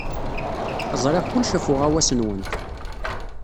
Ẓriɣ kullec ɣef uɣawas-nwent.